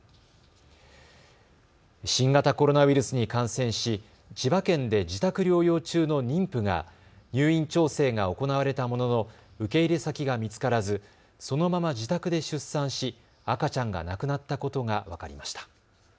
新型コロナウイルスに感染し千葉県で自宅療養中の妊婦が入院調整が行われたものの受け入れ先が見つからずそのまま自宅で出産し、赤ちゃんが亡くなったことが分かりました。